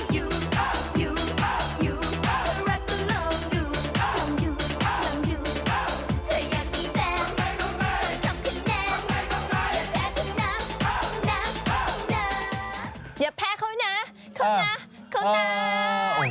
อย่าแพ้คุณนะคุณนะคุณนะ